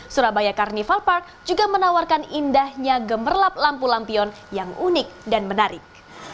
surabaya carnival park juga menawarkan indahnya gemerlap lampu lampion yang unik dan menarik